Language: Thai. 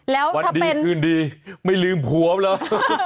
แล้วถ้าเป็นวันนี้คืนดีไม่ลืมผัวแล้ว